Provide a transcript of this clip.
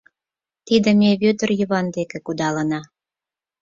Тиде ме Вӧдыр Йыван дене кудалына.